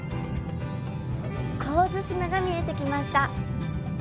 神津島が見えてきました。